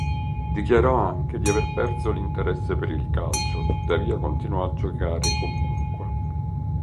Dichiarò anche di aver perso l'interesse per il calcio, tuttavia continuò a giocare comunque.